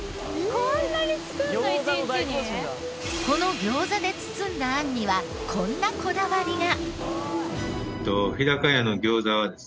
この餃子で包んだ餡にはこんなこだわりが。